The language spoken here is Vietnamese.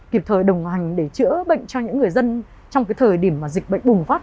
kịp thời đồng hành để chữa bệnh cho những người dân trong cái thời điểm mà dịch bệnh bùng phát